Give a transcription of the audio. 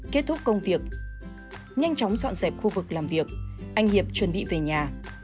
kết thúc công việc nhanh chóng dọn dẹp khu vực làm việc anh hiệp chuẩn bị về nhà